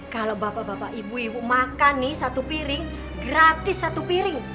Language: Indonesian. kalau bapak bapak ibu ibu makan nih satu piring gratis satu piring